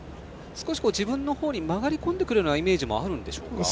少し自分のほうに曲がり込んでくるイメージもあるんでしょうか。